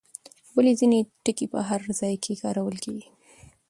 ولې ځینې ټکي په هر ځای کې کارول کېږي؟